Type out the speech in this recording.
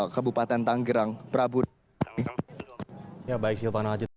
kebupatan tanggerang prabu